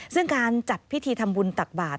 ซึ่งการจัดพิธีทำบุญตักบาท